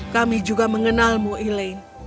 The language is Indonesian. kami juga mengenalmu elaine